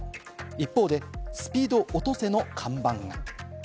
一方で、「スピードおとせ」の看板が。